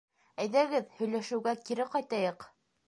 Әйҙәгеҙ һөйләшеүгә кире ҡайтайыҡ